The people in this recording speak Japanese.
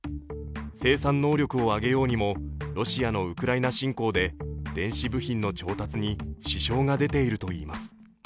生産能力を上げようにもロシアのウクライナ侵攻で電子部品の調達に支障が出ているといいます。